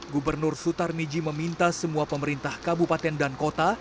gubernur sutarmiji meminta semua pemerintah kabupaten dan kota